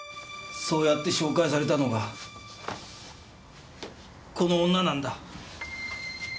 そうやって紹介されたのがこの女なんだ。